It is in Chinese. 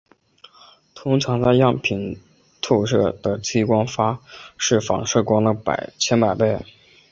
通常在样品处透射的激发光是反射光的千百倍。